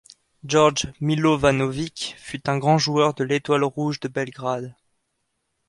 Djordje Milovanović fut un grand joueur de l'Étoile rouge de Belgrade.